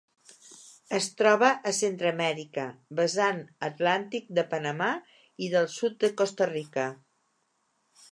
Es troba a Centreamèrica: vessant Atlàntic de Panamà i del sud de Costa Rica.